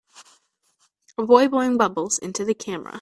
A boy blowing bubbles into the camera.